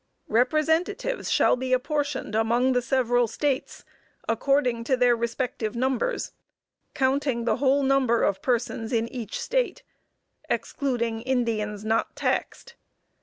"Representatives shall be apportioned among the several States according to their respective numbers, counting the whole number of persons in each State, excluding Indians not taxed.